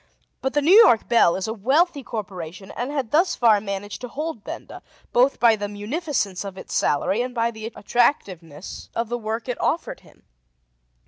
But the New York Bell is a wealthy corporation and had thus far managed to hold Benda, both by the munificence of its salary and by the attractiveness of the work it offered him.